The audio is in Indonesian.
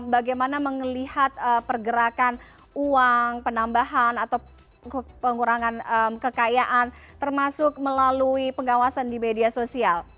bagaimana melihat pergerakan uang penambahan atau pengurangan kekayaan termasuk melalui pengawasan di media sosial